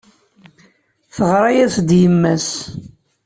Teɣra-as-d yemma-s.